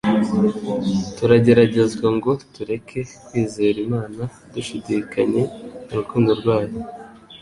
Turageragezwa ngo tureke kwizera Imana, dushidikanye urukundo rwayo.